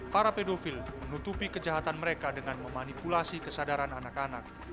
para pedofil menutupi kejahatan mereka dengan memanipulasi kesadaran anak anak